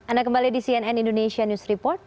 anda kembali di cnn indonesia news report